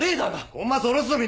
コンマス降ろすぞ峰！